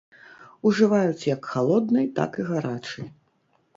Ужываюць як халоднай, так і гарачай.